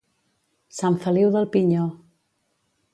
Sant Feliu del Pinyó.